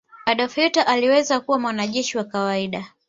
adolf hilter aliweza kuwa mwanajeshi wa kawaida